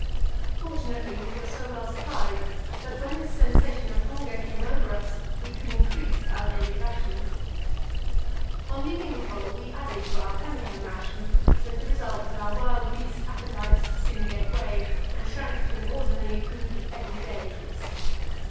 Fortunately we were so well supplied that when this sensation of hunger came over us, we could increase our daily rations. On leaving the Pole we added to our pemmican ration, with the result that our wild beast appetites soon gave way and shrank to an ordinary good, everyday twist.